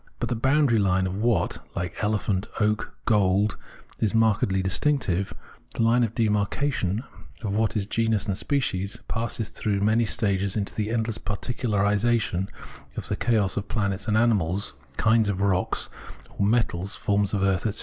But the boundary hne of what, like elephant, oak, gold, is markedly distinctive, the Ime of demarcation of what is genus and species, passes through many stages into the endless particularisation of the chaos of plants and animals, kinds of rocks, or metals, forms of earth, etc.